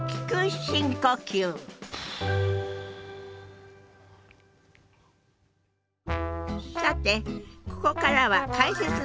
さてここからは解説のお時間ですよ。